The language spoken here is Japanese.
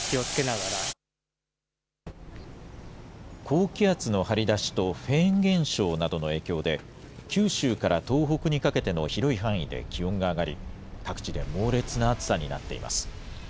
高気圧の張り出しと、フェーン現象などの影響で、九州から東北にかけての広い範囲で気温が上がり、各地で猛烈な暑さになっています。